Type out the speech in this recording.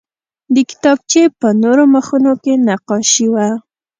د کتابچې په نورو مخونو کې نقاشي وه